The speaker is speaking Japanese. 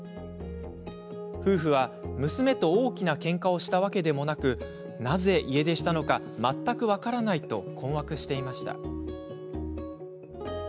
夫婦は、娘と大きなけんかをしたわけでもなくなぜ家出したのか全く分からないと困惑していました。